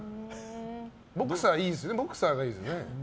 ボクサー、いいですよね。